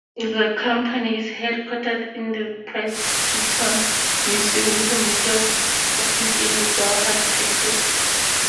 The company is headquartered in Princeton, Missouri, with a major office in Dalhart, Texas.